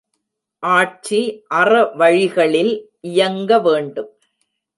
ஆட்சி அறவழிகளில் இயங்க வேண்டும்.